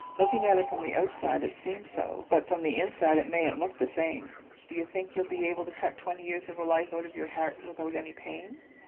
"Looking at it from the outside, it seems so. But from the inside it mayn't look the same. Do you think you'll be able to cut twenty years of a life out of your heart without any pain?"